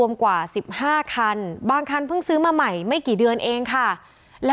มีรถยนต์เฮียติร่วม๑๕ธูษนา